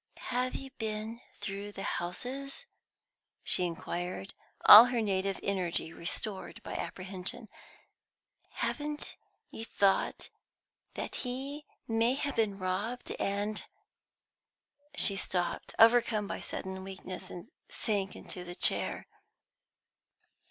"Have you been through the houses?" she inquired, all her native energy restored by apprehension. "Haven't you thought that he may have been robbed and " She stopped, overcome by sudden weakness, and sank into the chair.